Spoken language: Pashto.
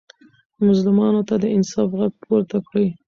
مظلومانو ته د انصاف غږ پورته کړئ.